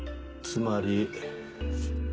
つまり。